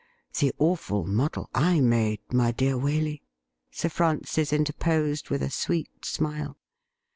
The awful muddle / made, my dear Waley,' Sir Francis interposed, with a sweet smile.